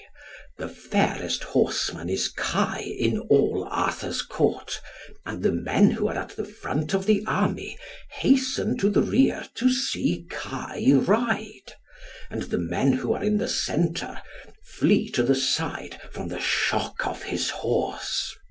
The fairest horseman is Kai in all Arthur's Court; and the men who are at the front of the army hasten to the rear to see Kai ride, and the men who are in the centre, flee to the side from the shock of his horse.